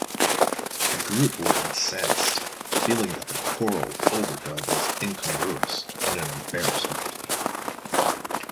The group were incensed, feeling that the choral overdub was incongruous and an embarrassment.